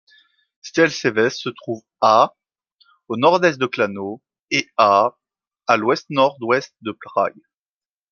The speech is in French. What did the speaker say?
Stehelčeves se trouve à au nord-est de Kladno et à à l'ouest-nord-ouest de Prague.